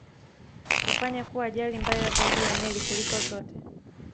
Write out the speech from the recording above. kufanya kuwa ajali mbaya zaidi ya meli kuliko zote